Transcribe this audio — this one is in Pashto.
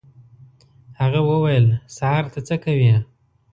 هغه وویل: «سهار ته څه کوې؟»